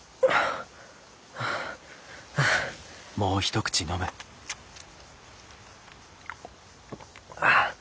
ああ。